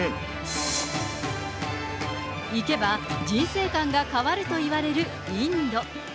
行けば人生観が変わるというインド。